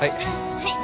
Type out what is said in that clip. はい。